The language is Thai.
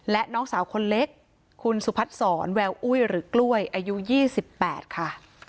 และน้องสาวคนเล็กคุณสุพัฒน์สอนแววอุ้ยหรือกล้วยอายุ๒๘ค่ะ